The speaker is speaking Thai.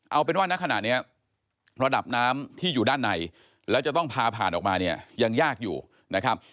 เอาเป็นว่าณขณะนี้ระดับน้ำที่อยู่ด้านในแล้วจะต้องพาผ่านออกมาเนี่ยยังยากอยู่นะครับ